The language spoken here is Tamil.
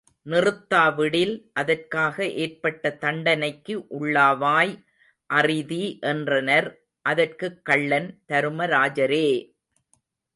நிறுத்தாவிடில் அதற்காக ஏற்பட்ட தண்டனைக்கு உள்ளாவாய், அறிதி என்றனர், அதற்குக் கள்ளன் தருமராஜரே!